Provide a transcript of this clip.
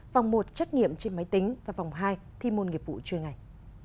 vòng một trắc nghiệm trên máy tính và vòng hai thi môn nghiệp vụ chuyên ngành